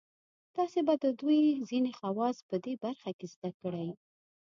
تاسې به د دوی ځینې خواص په دې برخه کې زده کړئ.